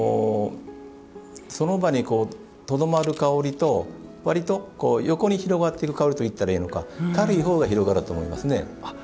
その場にとどまる香りと割と横に広がっていく香りといったほうがいいのか軽いほうが広がると思いますね。